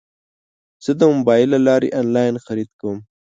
زه د موبایل له لارې انلاین خرید کوم.